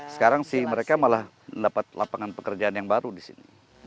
sekarang sih mereka malah dapat lapangan pekerjaan yang baru di sini